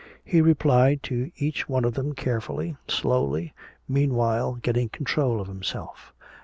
He replied to each one of them carefully, slowly, meanwhile getting control of himself.